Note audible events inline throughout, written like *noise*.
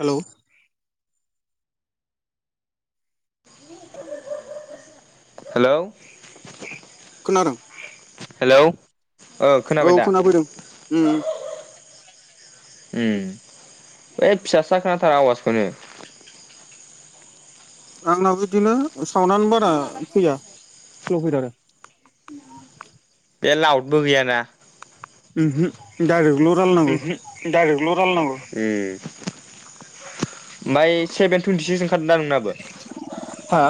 Hello हेल खोनादों hello औ खोनाबाय दा खोना फैदों। उम फिसा सा खोनाथारो आवाजखौनो। आंनावबो बिदिनो सावन्डानो बारा फैया स्ल फैद आरो। बे लाउटबो गैयाना। दायरेकल। *unintelligible* *unintelligible* ओमफ्राय सेभेन तुएनटि सिक्स ओं खारदो दा नोंनाबो? हा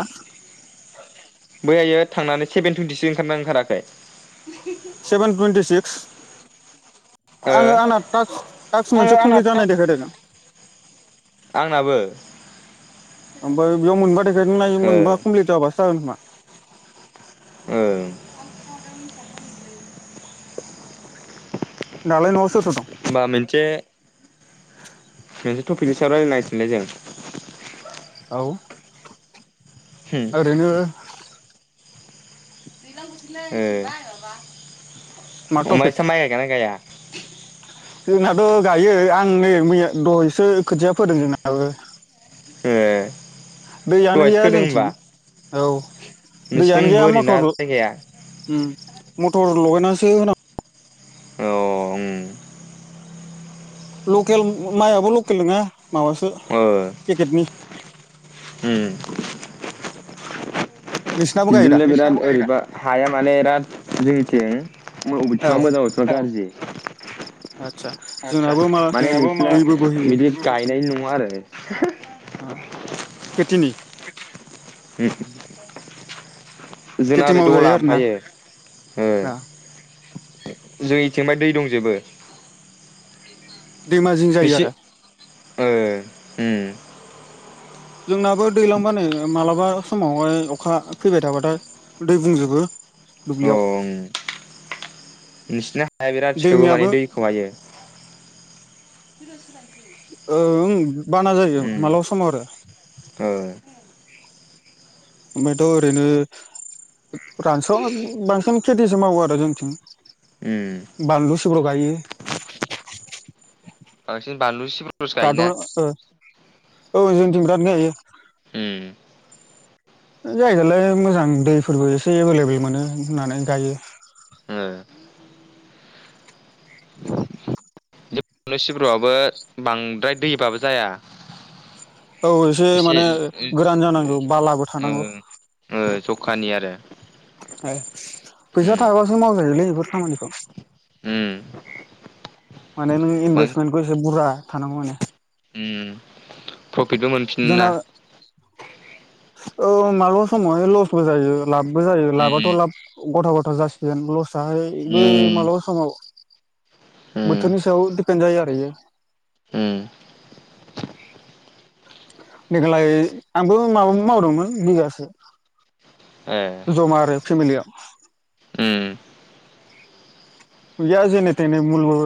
बैहायो थांनानै सेभेन टुइनटिसो ओंखारदोना ओंखाराखै? Seven twenty six. ओ आङो आंना टास्क टास्क मोनसे आङो आंना कमप्लिट दा जानाय देखायदों। आंनाबो। आोमफाय बेयाव मोनबा दे *unintelligible* ओ मोनबा कमल्पित जाबासो जागोन खोमा। ओं। दालाय नआव सोर सोर होमबा मोनसे। *inaudible* मोनसे टपिकनि सायाव रायलायनांसिगोनलै जों। औ। होम ओरैनो। *inaudible* मा ओ टपिक *unintelligible* *unintelligible* जोंनाथ गायो आं नै मैया दहसो खोथिया फोदों जोंनाबो ए। दैयानो गैया जोंथिं औ दैयानो नोंसिनिथिं गैया बोरि ना मटर जायगाया उम मटर लगायनासो होनां औ उम। लकेल माइआबो लकेल नङा माबासो ओ पेकेटनि। उम नोंसिनाबो गायो दा बिदिनो बिराद अरैबा हाया माने इराद जोंनिथिं। औ अबिथिंबा मोजां अबिथिंबा गाज्रि। आदसा आतसा जोंनाबो मा माने नोंसिना दैबो बोहैयो बिदि गायनाय नङा आरो *unintelligible* ओ केथिनि *unintelligible* जोंना खेथि ओरै दला मावजायो आरो ना ओमफायो ओ जोंनिथिंबाय दै दंजोबो दैमाजिं जायो नोंसि आरो ओ उम। जोंनाबो दैलांबानै मालाबा समावहाय अखा फैबाय थाबाथाय दै बुंजोबो औ दुब्लियाव उम नोंसिना हाया बिराद सोबो माने दैमायाबो दैखौ हायो ओं। बाना जायो उम मालाबा समाव आरो ओ ओमफ्रायथ ओरैनो रानस बांसिन खेथिसो मावो आरो जोंथिं। उम बानलु सिब्र गायो बांसिन बानलु सिब्रफोरसो दाथ' गायोना। औ जों दिंथिं बिराद‌ गायो। ओम जायदालाय मोजां दैफोरबो एसे एभेलेबेल मोनो होननानै गायो। ओ बनलु सिब्रुआबो बांद्राय दैबाबो जाया। औ एसे माने गोरान एसे जानांगौ बालाबो थानांगौ ए ए फैसा थाखाबासो मावजायोलै बेफोर खामानि औ उम माने नों बांसिन इनभेस्मेन्टखौ एसे बुुरजा थानांगौ माने ओम प्रफिटबो मोनफिनो ना अ माब्लाबा समावहाय लसबो जायो। लाबबो जायो लाबाथ' उम लाब गथा ग जासिगोन लस साहायबो उम मालाबा समाव बोथोरनि सायाव होनजायो आरो बियो ओम देग्लाय आंबो माबा मावदोंमोन बिगासे ए जमा आरो फेमिलियाव ओम गैया जेनेथेने मुलबो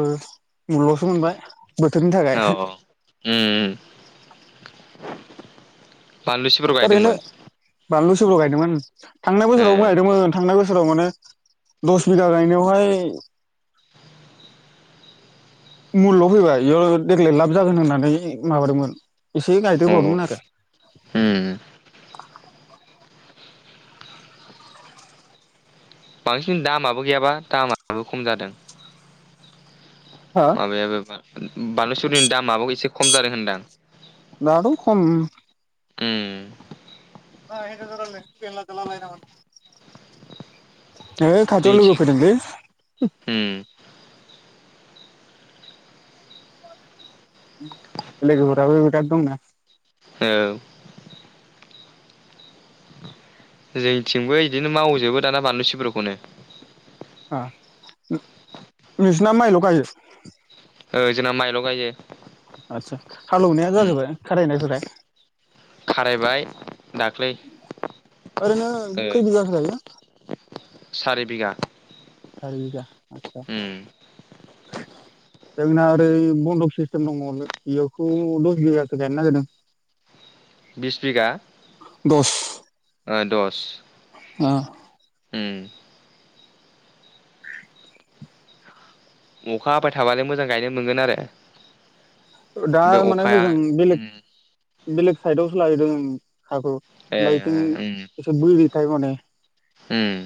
मुललसो मोनबाय बोथोरनि थाखाय औ उम उम बानलु सिब्र ओरैनो गायदोंमोन बानलु सिब्र गायदोंमोन ओं थांनाय ए बोसोरावबो गायदोंमोन थांनाय बो सोराव माने दस बिघा गायनायावहाय मुलल' फैबाय बेयाव देग्लाय लाब जागोन होननानै माबादोंमोन एसे गायदेर औ बावदोंमोन आरो उम बांसिन दामाबो गैयाबा दामाबो खम जादों। हो माबायाबो बार बानलु सिब्रनि दामाबो एसे खम जादों होनदां। दाथ खम। ओम मा हिनजावजों रायलायनायखाय दुगायानो लाजालालाय नामा नोङो? है खाथियाव जोंनिथिं फैदोंलै। उम लोगोफोराबो बिराद दंना। औ जोंथिंबो इदिनो मावजोबो दाना बानलु सिब्रुखौनो। आ नोंसिना मायल गायो? ओ जोंना माइल' गायजायो। आतसा हालौवनाया जाजोबबाय खारायनायफोरा? खारायबाय दाख्लै ओरैनो ओ खै बिगाखो गायो? सारि बिघा। हायोदा। *unintelligible* जोंना ओरै बन्दक सिस्टेम दङ बेयावखौ दस बिगासो गायनो नागिरदों। बिस बिगा दस ओ दस। *unintelligible* उम अखा हाबाय थाबानो मोजां गायनो मोनगोन आरो। दा बे माने अखाया होजों उम बेलेग बेलेग साइदयावसो लाहैदों। हाखौ ए ओमफाय इथिं उम इसे बोरि खाय माने उम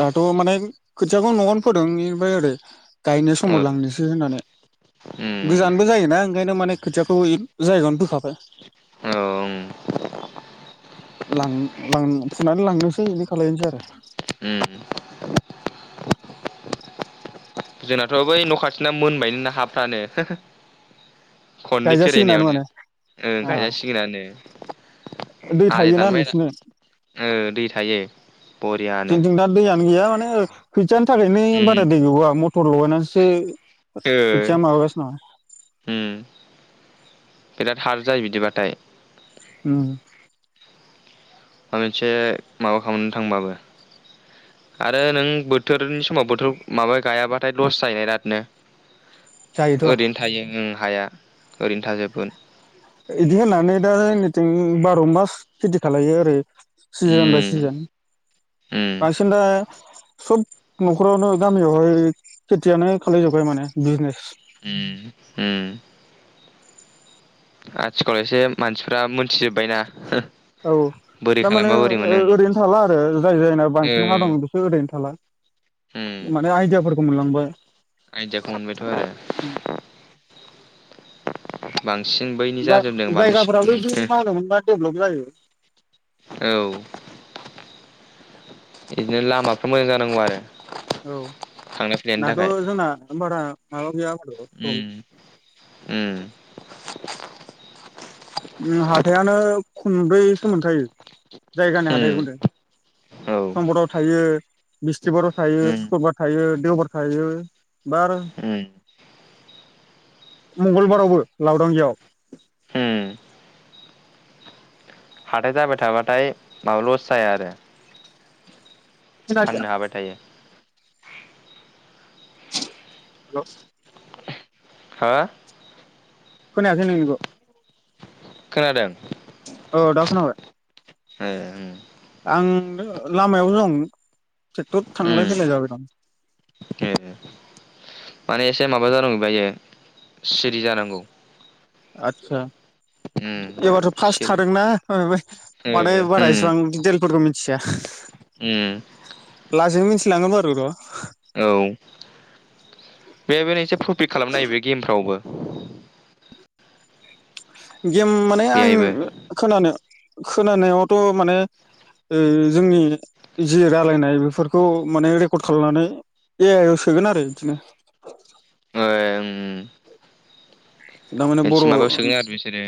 दाथ' माने खोथियाखौ न'आवनो फोदों बेनिफ्राय ओरै गायनो समाव ओ लांनोसै होननानै उम गोजानबो जायोना ओंखायनो माने खोथियाखौ *unintelligible* जायगायावनो फोखा औ उम लां लां फुनानै लांनोसै बिदि खालायनोसै आरो। उम जोंनाथ' बै न' खाथिना मोनबाय नो हाफ्रानो। खननै गायजासिगोनानो फेरायनायावनो माने ओं ओ गायजासिगोनानो। दै आलि थायोना दानबाय नोंसिना ओ दै थायो। बरियानो गैया दैयानो माने खोथियानि थाखायनो उम बारा दै गवा मटर लगायनासो ओ खोथिया माबागासिनो दं। उम बिराद हार्ड जायो बिदिबाथाय। उम माबा मोनसे माबा खालामनो थांबाबो, आरो नों बोथोरनि समाव बोथोर माबा गायाबाथाय लस जायो इरादनो। जायोथ' ओरैनो थायो ओं हाया। ओरैनो थाजोबगोन। इदि होननानै दा जोंनिथिं बार' मास खेथि खालायो आरो। सिजोन बाय उम सिजोन उम बांसिन दा सब न'खरावनो गामियावहाय खेथियानो खालायजोब्बाय माने बिजनेस। उम उम आथिखाल एसे मानसिफ्रा मोनथिजोब्बायना हो। औ थारमाने ओरैनो थाला आरो, जाय जायना ओ बांसिन हा दङ बिसोर ओरैनो थाला। उम माने आयदियाफोरखौ मोनलांबाय। आइदियाखौ मोनबायथ' आरो बां *unintelligible* जा जायगाफोराबो बिदि मा होनोम मोनबा डेभलप जायो। औ बिदिनो लामाफ्रा मोजां जानांगौ आरो। औ थांलाय फैलायनि दाथ थाखाय जोंना होनबारा आग *unintelligible* उम उम हाथायानो खुब्रैसो मोनखायो। जायगानि हादाइ गुदों उम औ सम्पदाव थायो। मिस- *unintelligible* सिबार थायो उम सुक्रबार थायो। देउबार थायो। बार उम मंगलबारावबो लावदांगियाव। उम हाथाय जाबाय थाबाथाय माबा लस जाया आरो। खोनायाखै फाननो हाबाय थायो। *unintelligible* हेलौ हा खनायाखै नोंनिखौ। खोनादों? औ दा खोनाबाय। ह उ उम ओ लामायाव दं। थेथ थांलाय फैलाय उम जाबाय दं। ए माने एसे माबा जानांगौ बायो सिरि जानांगौ। आतसा। उम एबारथ फार्स्ट सिरि थादोंना माने ओ बारा उम एसेबां डिटेलफोरखौ मिथिया उम लासै मिथि *unintelligible* औ बे *unintelligible* एसे प्रपित खालामना होयो बे गेमफ्रावबो। *unintelligible* गेम माने आं बेहायबो खोनानो खोनानायावथ माने ओ जोंनि जि रायलायनाय बेफोरखौ माने रेकर्ड खालामनानै ए-आइ आव सोगोन आरो इदिनो ओ उम थारमाने बर' मोनसे ओ माबायाव सोगोन आरो बिसोरो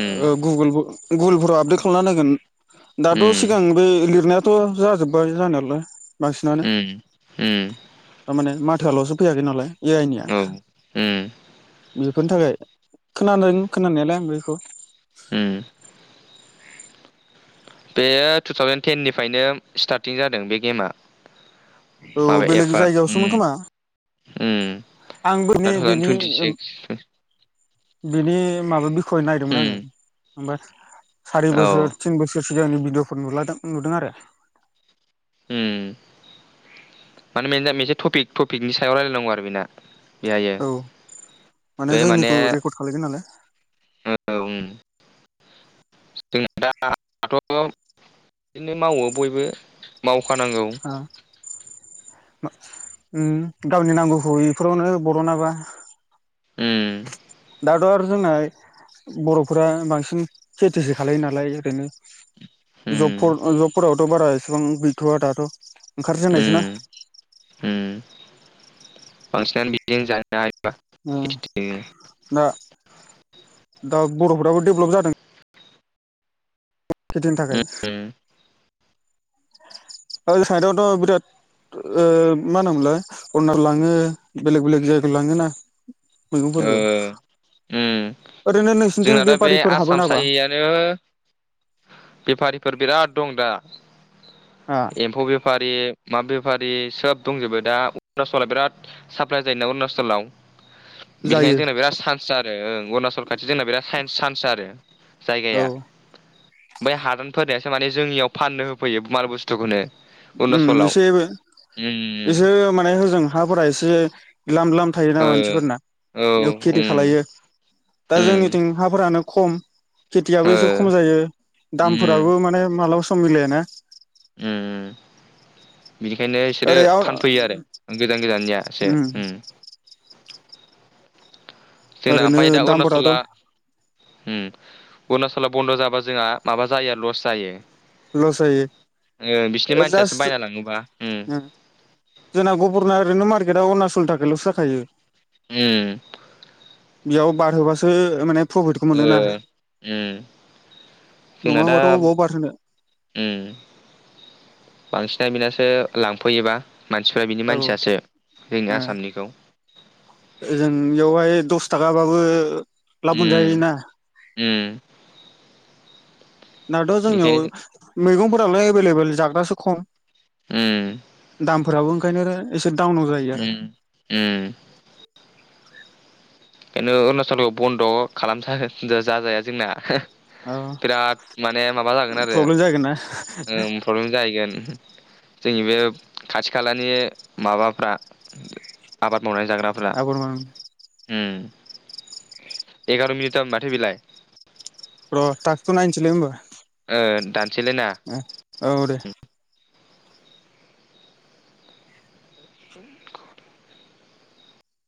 उम गुगोल गुगोलफोराव आपडेट खालामना नायगोन। दाथ उम सिगां बे लिरनाय थ' जाजोबबाय जानायालाइ। बांसिनानो उम उम थारमाने मा थाल'सो फैयाखैनालाय। ए-आइ निया। औ उम फोरनि थाखाय खोनादों खोनानायालाय आं बैखौ। हम। बेयो टु थावजेन टेननिफ्रायनो स्टारटिं जादों बे गेमा। औ माबा बेलेग एफआ जायगायावसोमोन उम खोमा उम आंबो नै दा टु थावजेन टुन्टि सिक्स। बेनि माबा खय नायदोंमोन उम आङो। होमबा। सारि औ बोसोर तिन बोसोर। सिगांनि भिडिअफोर नुलादों नुदों आरो। उम माने मोनसेटपि टपिकनि सायाव रायलायनांगौ आरो बेना। बेहायो औ माने जोंनिखौ रेकर्ड खालायगोन नालाय। जों दाथ' बिदिनो मावो बयबो माव खानांगौ। ओ उम गावनि नांगौखौ बेफोरावनो बरनाबा। उम। दाथ' आरो जोंना बर'फोरा बांसिन खेथिसो खालायो नालाय ओरैनो। उम जबफोर ओ जबफोरावथ' बारा इसिबां गैथ'वा दाथ'। ओंखारजेन्नायसोना उम उम बांसिनानो बिदिजों ओ जा दा *unintelligible* दा बर'फोराबो डेभलप जादों। खेथिनि थाखाय ओ साइडआवथ' बिराद ओ मा होनोमोनलाय आरूनाल लाङो बेलेग बेलेग जायगायाव लाङो ना ओ उ ओरैनो नोंसिनिथिं जोंना दा बे बेफारिफोर हाबो आसाम नामा सायनिआनो बेफारिफोर बिराद दं दा आ एम्फौ बे फारि मा बेफारि सोब दंजोबो दा अरुणाचला बिराद साप्लाय जायोना अरुणाचलाव। बिनिखायनो जायो जोंना बिराद सान्स *unintelligible* *unintelligible* ओं अरुणाचल खाथि जोंना बिराद साइन्स सान्स आरो औ जायगाया बै हादानफोरनिआसो माने जोंनियाव फाननो होफैयो माल बुस्थुखौनो। उम अरुणाचलाव एसेबो उम एसे माने होजों हाफोरा एसे लाम लाम थायोना ओ मानसिफोरना औ बेयाव खेथि उम खालायो दा उम जोंनिथिं हाफोरानो खम खेथियाबो ओ एसे खम जायो उम दामफोराबो माने मालाबा स सम मिलाया ना उम बिनिखायनो बिसोरो ओरै आव फानफैयो आरो गोजान गोजाननियासो उम जोंना ओरैनो ओमफाय दा दामफोराथ' अरुनाचला उम अरुणाचलाव बन्द' जाबा जोंहा माबा जायो लस जायो लस जायो ओ बिसिनि मानसियासो जास्ट बायना लाङोबा उम जोंना गुबुरना ओरैनो मार्केटआ अरुणाचलनि थाखायल'सो जाखायो उम बेयाव बारहोबासो माने प्रफिटखौ ओ मोनोना उम जोंना दा नङाबाथ' बबाव बारहोनो उम बांसिन बिनासो लांफैयोबा। मानसिफ्रा बिनि औ मानसियासो जोंनि आसामनिखौ जों बेयावहाय दस थाखाबाबो लाब उम मोनजायोना उम दाथ' बेखायनो जोंनियाव मैगं दालाय एभेलेबोल जाग्रासो खम ओम फोराबो ओंखायनो एसे डाउनाव जायो आरो उम बेनो अरुणचलखौ बन्द खालाम जाजाया जोंना आरो बिराद माने माबा जागोन आरो प्रब्लेम जागोन ना ओ प्रब्लेम जाहैगोन जोंनि बे खाथि खालानि माबाफ्रा आबाद मावनाय जाग्राफोरा एगार मिनिट थाम माथो बिलाय र थाखथ खौ नायनोसैलै होमबा ओ दानसैलायना *inaudible*